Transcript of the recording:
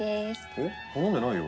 えっ頼んでないよ。